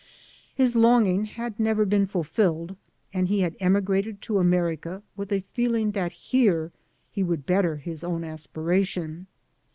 His longing had never been fulfilled, and he had emigrated to America with a feeling that here he would better his own aspiration.